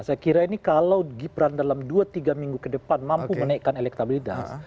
saya kira ini kalau gibran dalam dua tiga minggu ke depan mampu menaikkan elektabilitas